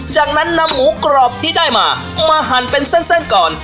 จากนั้นนำหมูกรอบที่ได้มามาหั่นเป็นเส้นก่อน